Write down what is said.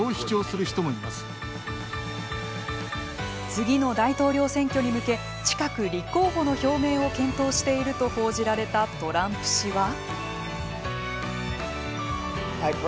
次の大統領選挙に向け近く立候補の表明を検討していると報じられたトランプ氏は。